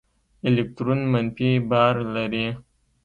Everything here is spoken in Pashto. الکترون منفي بار لري.